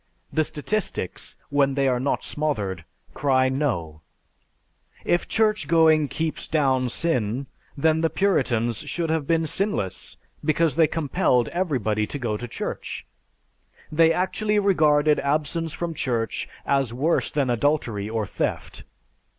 The statistics, when they are not smothered, cry No! "If church going keeps down sin, then the Puritans should have been sinless because they compelled everybody to go to church. They actually regarded absence from church as worse than adultery or theft.